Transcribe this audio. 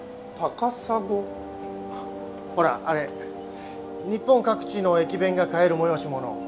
ほらあれ日本各地の駅弁が買える催し物。